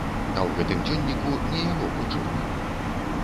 А ў гэтым дзённіку не яго почырк.